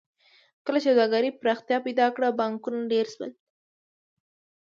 کله چې سوداګرۍ پراختیا پیدا کړه بانکونه ډېر شول